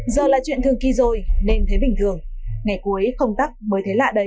giờ là chuyện thường kỳ rồi nên thấy bình thường ngày cuối không tắt mới thấy lạ đấy